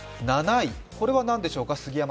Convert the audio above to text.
７位、これは何でしょうか？